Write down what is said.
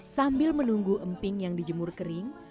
sambil menunggu emping yang dijemur kering